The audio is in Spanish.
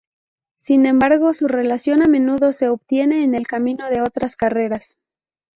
Sin embargo, su relación a menudo se obtiene en el camino de otras carreras.